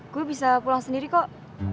gue bisa pulang sendiri kok